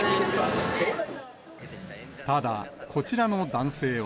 ただ、こちらの男性は。